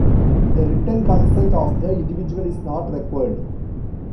The written consent of the individual is not required.